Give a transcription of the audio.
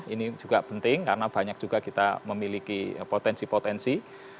ini juga penting karena banyak juga kita memiliki potensi potensi